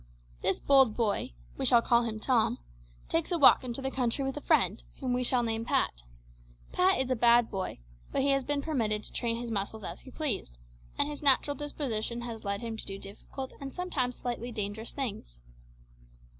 This bold boy we shall call him Tom takes a walk into the country with a friend, whom we shall name Pat. Pat is a bad boy, but he has been permitted to train his muscles as he pleased, and his natural disposition has led him to do difficult and sometimes slightly dangerous things.